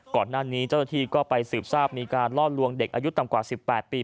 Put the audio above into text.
ก่อนหน้านี้เจ้าหน้าที่ก็ไปสืบทราบมีการล่อลวงเด็กอายุต่ำกว่า๑๘ปี